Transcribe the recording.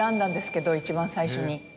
一番最初に。